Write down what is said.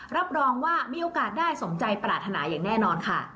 รับรองว่ามีโอกาสได้สมใจปรารถนาอย่างแน่นอนค่ะ